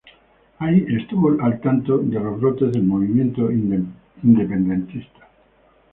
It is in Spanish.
Ahí estuvo al tanto de los brotes del movimiento independentista.